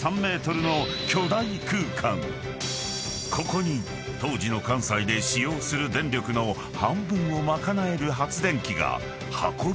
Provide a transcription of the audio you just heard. ［ここに当時の関西で使用する電力の半分を賄える］